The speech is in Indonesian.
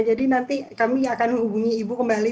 jadi nanti kami akan hubungi ibu kembali